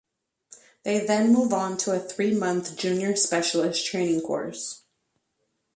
They then move on to a three-month "Junior Specialist" training course.